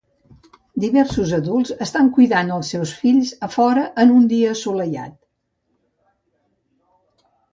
Diversos adults estan cuidant els seus fills a fora en un dia assolellat.